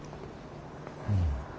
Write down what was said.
うん。